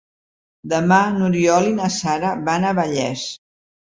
Demà n'Oriol i na Sara van a Vallés.